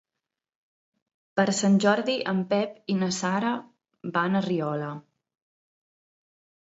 Per Sant Jordi en Pep i na Sara van a Riola.